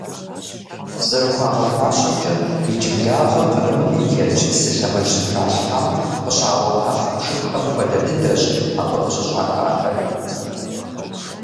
ЗэрыхуагъэфащэмкӀэ, иджыблагъэ Кърымым и Керчь псым лъэмыж щытралъхьэм къыщагъуэта хьэпшыпхэм хуэдэ дыдэщ абы къыщыщӀахахэри.